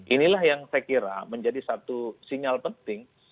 inilah yang saya kira menjadi satu sinyal penting